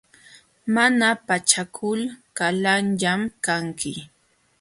Mana pachakul qalallam kanki.